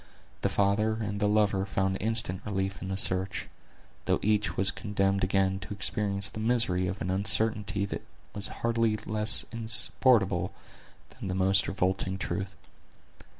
The father and the lover found instant relief in the search; though each was condemned again to experience the misery of an uncertainty that was hardly less insupportable than the most revolting truth.